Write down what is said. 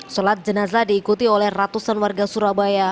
solat jenazah diikuti oleh ratusan warga surabaya